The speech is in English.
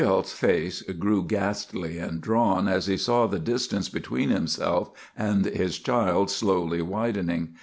] "Thériault's face grew ghastly and drawn as he saw the distance between himself and his child slowly widening.